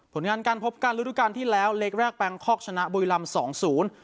ส่วนงานการพบกันรู้ทุกการณ์ที่แล้วเลขแรกแปลงคอกชนะบุยลำสองศูนย์